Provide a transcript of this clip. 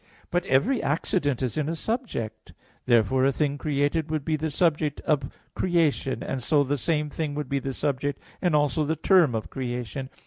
But every accident is in a subject. Therefore a thing created would be the subject of creation, and so the same thing would be the subject and also the term of creation.